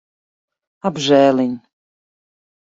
Apžēliņ.